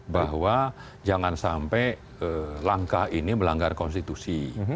bahwa jangan sampai langkah ini melanggar konstitusi